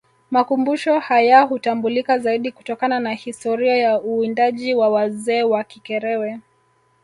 Makumbusho hayahutambulika zaidi kutokana na historia ya uwindaji wa wazee wa Kikerewe